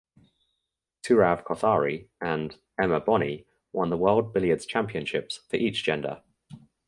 Sourav Kothari and Emma Bonney won the World Billiards Championships for each gender.